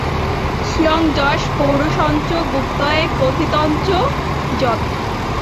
স্বীয়ং যশ পৌরুষঞ্চ গুপ্তয়ে কথিতঞ্চ যৎ।